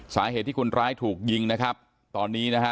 สาเหตุที่คนร้ายถูกยิงนะครับตอนนี้นะฮะ